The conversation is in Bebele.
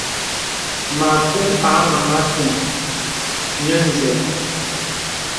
Makù a maŋā àtuŋ nə zɛ̂.